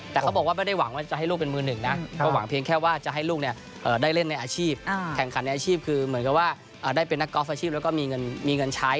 แข่งขันในอาชีพคือเหมือนกันว่าได้เป็นนักกอล์ฟอาชีพแล้วก็มีเงินใช้